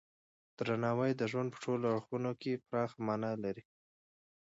درناوی د ژوند په ټولو اړخونو کې پراخه معنی لري.